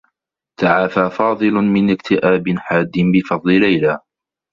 تعافى فاضل من اكتئاب حادّ بفضل ليلى.